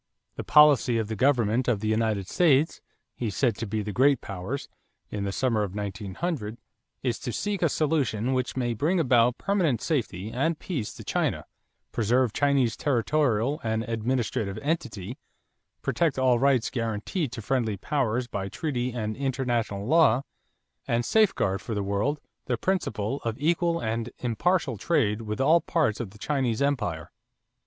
"The policy of the Government of the United States," he said to the great powers, in the summer of 1900, "is to seek a solution which may bring about permanent safety and peace to China, preserve Chinese territorial and administrative entity, protect all rights guaranteed to friendly powers by treaty and international law, and safeguard for the world the principle of equal and impartial trade with all parts of the Chinese empire."